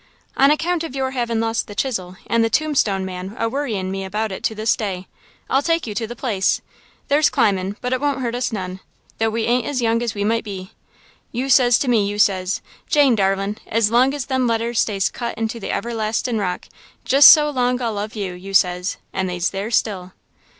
"On account of your havin' lost the chisel and the tombstone man a worryin' me about it to this day. I'll take you to the place. There's climbin' but it won't hurt us none, though we ain't as young as we might be. You says to me, you says: 'Jane, darlin', as long as them letters stays cut into the everlastin' rock, just so long I'll love you,' you says, and they's there still."